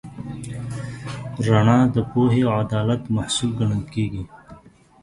رڼا د پوهې او عدالت محصول ګڼل کېږي.